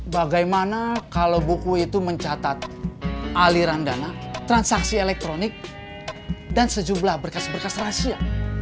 bagaimana kalau buku itu mencatat aliran dana transaksi elektronik dan sejumlah berkas berkas rahasia